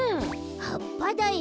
はっぱだよ。